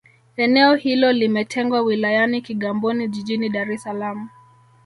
eneo hilo limetengwa wilayani kigamboni jijini dar es salaam